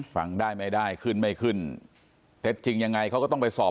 ฟังได้ไม่ได้ขึ้นไม่ขึ้นเท็จจริงยังไงเขาก็ต้องไปสอบ